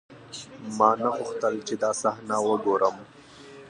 ما نه غوښتل چې دا صحنه وګورم.